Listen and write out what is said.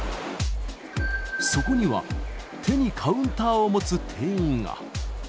そこには手にカウンターを持つ店員が。